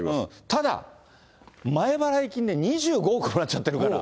ただ、前払金で２５億もらっちゃってるから。